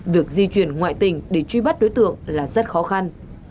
việc di chuyển ngoại tỉnh để truy bắt đối tượng là rất khó khăn